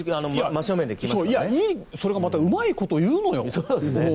それがまたうまいこと言うのよ。